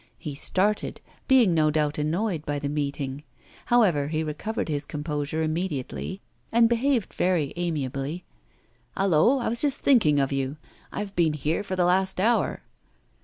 He started, being no doubt annoyed by the meeting. However, he recovered his composure immediately, and behaved very amiably. 'Hallo! I was just thinking of you. I have been here for the last hour.